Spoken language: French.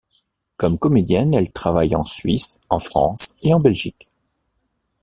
Comme comédienne, elle travaille en Suisse, en France et en Belgique.